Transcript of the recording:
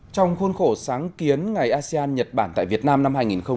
trong khuôn khổ sáng kiến ngày asean nhật bản tại việt nam năm hai nghìn một mươi chín